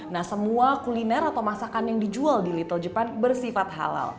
nah semua kuliner atau masakan yang dijual di little jepang bersifat halal